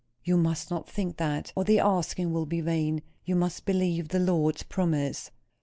"You must not think that, or the asking will be vain. You must believe the Lord's promise."